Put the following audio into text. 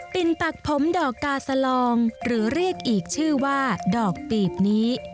ปักผมดอกกาสลองหรือเรียกอีกชื่อว่าดอกปีบนี้